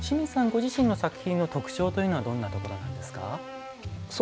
ご自身の作品の特徴はどんなところなんですか？